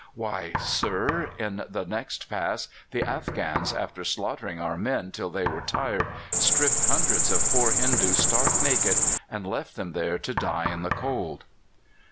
Why, sir, in the next pass the Afghans, after slaughtering our men till they were tired, stripped hundreds of poor Hindoos stark naked and left them there to die in the cold."